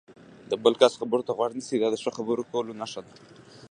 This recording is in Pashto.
د بل کس خبرو ته غوږ ونیسئ، دا د ښه خبرو کولو نښه ده.